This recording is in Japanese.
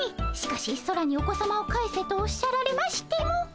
しかし空にお子さまを帰せとおっしゃられましても。